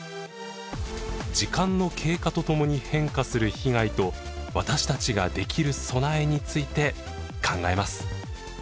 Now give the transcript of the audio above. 時間の経過とともに変化する被害と私たちができる備えについて考えます。